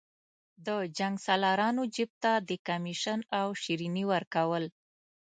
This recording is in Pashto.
د جنګسالارانو جیب ته د کمېشن او شریني ورکول.